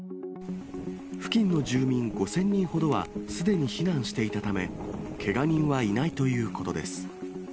付近の住民５０００人ほどはすでに避難していたため、けが人はいないということです。